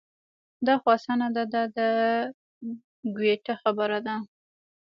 دا خو اسانه ده دا د ګویته خبره ده.